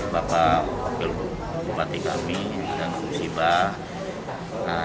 bapak bupati kami dan musibah